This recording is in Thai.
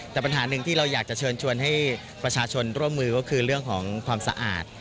แต่ปัญหาหนึ่งที่เราอยากจะเชิญชวนให้ประชาชนร่วมมือก็คือเรื่องของความสะอาด